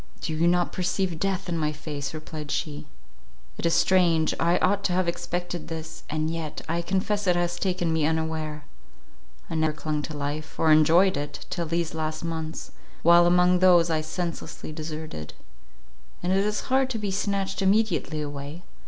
"Do you not perceive death in my face," replied she, "it is strange; I ought to have expected this, and yet I confess it has taken me unaware. I never clung to life, or enjoyed it, till these last months, while among those I senselessly deserted: and it is hard to be snatched immediately away.